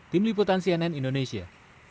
tim liputan cnn indonesia